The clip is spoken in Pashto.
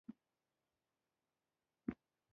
د اعصابو د قوي کیدو لپاره کوم ویټامین وکاروم؟